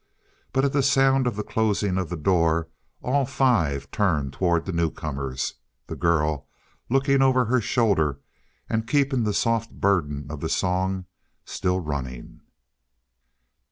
But at the sound of the closing of the door all five turned toward the newcomers, the girl looking over her shoulder and keeping the soft burden of the song still running.